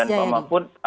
dan pak mahfud